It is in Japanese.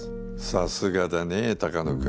さすがだね鷹野君。